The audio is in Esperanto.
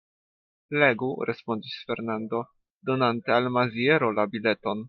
Legu, respondis Fernando, donante al Maziero la bileton.